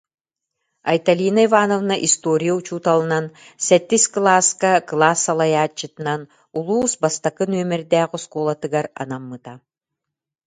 Айталина Ивановна история учууталынан, сэттис кылааска кылаас салайааччытынан улуус бастакы нүөмэрдээх оскуолатыгар анаммыта